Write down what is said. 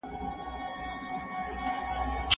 هر کله چې ږیره وال وینم نو دا کیسه مې په یادېږي.